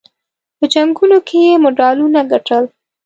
په جنګونو کې یې مډالونه ګټل.